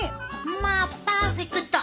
まあパーフェクト！